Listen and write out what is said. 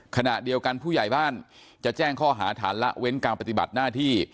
ขณะเดียวกันผู้ใหญ่บ้านจะแจ้งข้อหาฐานละเว้นการปฏิบัติหน้าที่